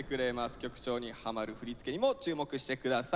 曲調にハマる振り付けにも注目して下さい。